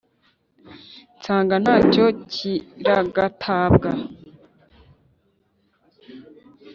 Nsanga ntacyo kiragatabwa.